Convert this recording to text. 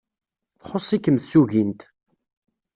Txuṣṣ-ikem tsugint.